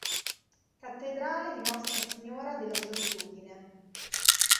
Cattedrale di Nostra Signora della Solitudine